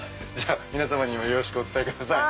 皆様によろしくお伝えください。